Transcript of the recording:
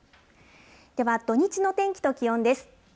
では、土日の天気と気温です。